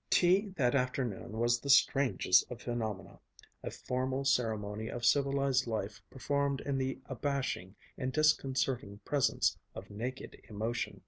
Tea that afternoon was that strangest of phenomena, a formal ceremony of civilized life performed in the abashing and disconcerting presence of naked emotion.